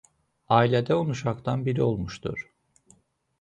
Ailədə on uşaqdan biri olmuşdur.